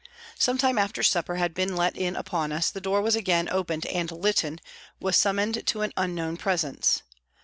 Some time after supper had been let in upon us, the door was again opened and " Lytton " was summoned to an unknown presence.